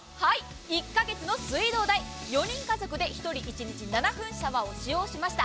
１カ月の水道代４人家族で１人１日７分シャワーを使用しました。